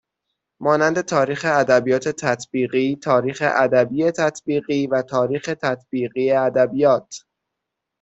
مانند تاریخ ادبیات تطبیقی تاریخ ادبی تطبیقی و تاریخ تطبیقی ادبیات